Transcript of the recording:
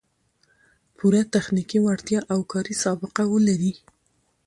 پوره تخنیکي وړتیا او کاري سابقه و لري